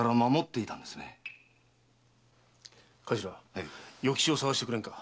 頭与吉を捜してくれぬか？